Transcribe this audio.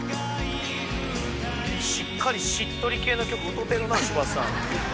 しっかりしっとり系の曲歌うてるな柴田さん